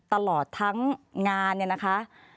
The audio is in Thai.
ตลอดทั้งงานเนี่ยนะคะ